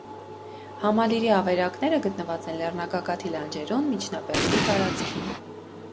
Համալիրի աւերակները գտնուած են լեռնագագաթի լանջերուն, միջնաբերդի տարածքին։